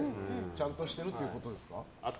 ちゃんとしてるということですか。